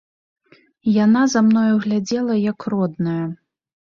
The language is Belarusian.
Яна за мною глядзела, як родная.